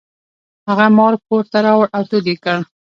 هغه مار کور ته راوړ او تود یې کړ.